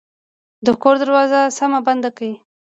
د کور دروازه سمه بنده کړئ